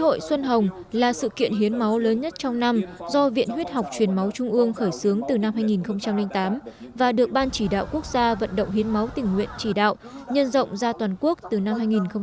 hội xuân hồng là sự kiện hiến máu lớn nhất trong năm do viện huyết học truyền máu trung ương khởi xướng từ năm hai nghìn tám và được ban chỉ đạo quốc gia vận động hiến máu tình nguyện chỉ đạo nhân rộng ra toàn quốc từ năm hai nghìn một mươi tám